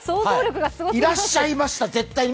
いらっしゃいました、絶対に。